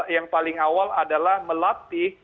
yang paling awal adalah melatih